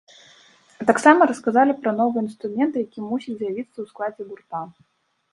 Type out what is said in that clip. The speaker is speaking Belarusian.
А таксама расказалі пра новы інструмент, які мусіць з'явіцца ў складзе гурта.